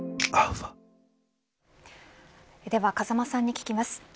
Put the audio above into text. では風間さんに聞きます。